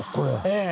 ええ。